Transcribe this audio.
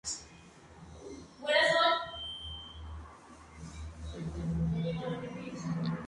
El ilongo es el idioma principal del municipio.